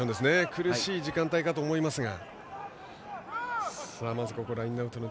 苦しい時間帯だと思いますが。